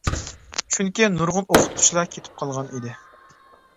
چۈنكى نۇرغۇن ئوقۇتقۇچىلار كېتىپ قالغان ئىدى.